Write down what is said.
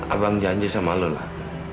abang janji sama lon lah